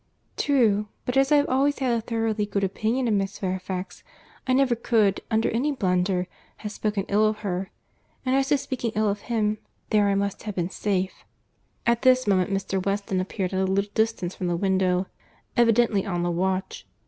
"True. But as I have always had a thoroughly good opinion of Miss Fairfax, I never could, under any blunder, have spoken ill of her; and as to speaking ill of him, there I must have been safe." At this moment Mr. Weston appeared at a little distance from the window, evidently on the watch.